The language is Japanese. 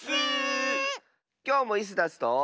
きょうもイスダスと。